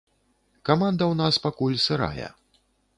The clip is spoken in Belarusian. Каманда ў нас пакуль сырая.